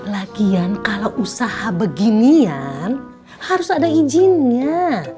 lagian kalau usaha beginian harus ada izinnya